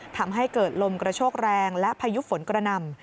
ทำให้เกิดลมกระโชกแรงและพายุฝนกระหน่ำ